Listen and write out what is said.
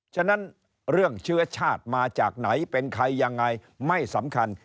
ฉะนั้นเรื่องเชื้อชาติมาจากไหนเป็นใครยังไงไม่สำคัญ